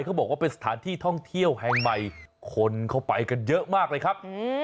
เขาบอกว่าเป็นสถานที่ท่องเที่ยวแห่งใหม่คนเข้าไปกันเยอะมากเลยครับ